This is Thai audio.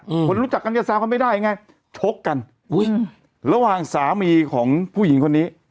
คนรู้จักกันจะแซวกันไม่ได้ไงชกกันอุ้ยระหว่างสามีของผู้หญิงคนนี้